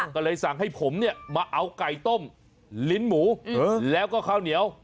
ก็เลยสั่งให้ผมเนี่ยมาเอาไก่ต้มลิ้นหมูแล้วก็ข้าวเหนียว